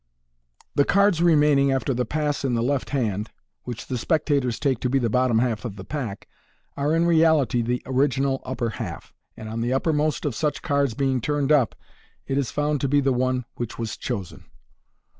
The cards remaining after the pass in the left hand, which the spectators take to be the bottom half of the pack, are in reality the original upper half j and on the uppermost of such cards being turned up, it is found to be the one which was chosen.